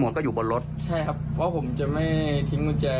ไม่ครับถ้าน้องเห็นน้องจะมาเล่น